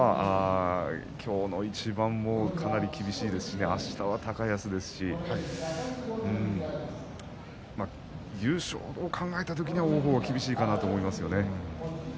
今日の一番もかなり厳しいですしあしたは高安ですし優勝を考えた時は、王鵬は厳しいかなと思いますね。